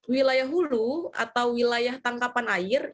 wilayah hulu atau wilayah tangkapan air